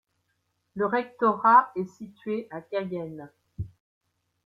Le rectorat est situé à Cayenne.